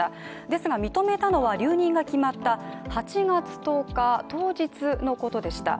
ですが認めたのは留任が決まった８月１０日当日のことでした。